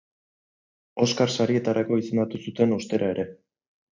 Oskar sarietarako izendatu zuten ostera ere.